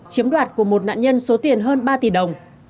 chiếm đoạt của một nạn nhân số tiền hơn ba tỷ đồng